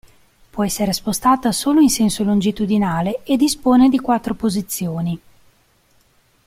Può essere spostata solo in senso longitudinale e dispone di quattro posizioni.